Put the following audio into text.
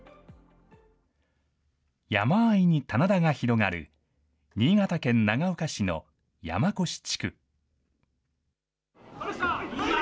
山あいに棚田が広がる、新潟県長岡市の山古志地区。